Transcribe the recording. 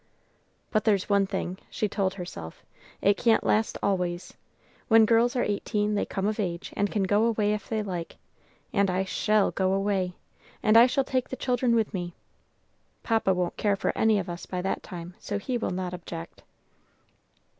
"But there's one thing," she told herself, "it can't last always. When girls are eighteen, they come of age, and can go away if they like; and I shall go away! And I shall take the children with me. Papa won't care for any of us by that time; so he will not object."